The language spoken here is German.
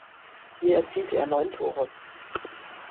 Hier erzielte er neun Tore.